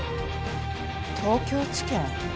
東京地検？